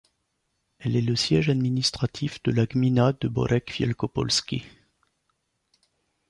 Elle est le siège administratif de la gmina de Borek Wielkopolski.